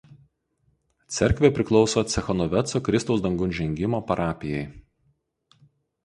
Cerkvė priklauso Cechanoveco Kristaus Dangun Žengimo parapijai.